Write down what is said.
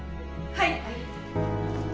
はい